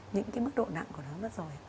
những cái mức độ nặng của nó rất rồi